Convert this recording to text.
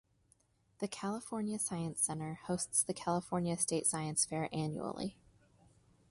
The California Science Center hosts the California State Science Fair annually.